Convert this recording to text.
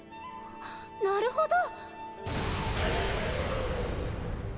あなるほど！